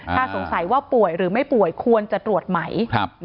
ถ้าสงสัยว่าป่วยหรือไม่ป่วยควรจะตรวจไหม